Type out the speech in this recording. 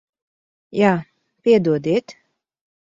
Jā. Piedodiet.